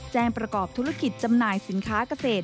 แจ้งประกอบธุรกิจจำหน่ายสินค้ากเศษ